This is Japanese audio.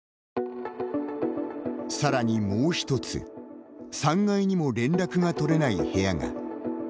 さらにもうひとつ、３階にも連絡がとれない部屋が。